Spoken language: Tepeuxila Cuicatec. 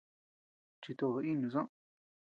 Chitó inu soʼö.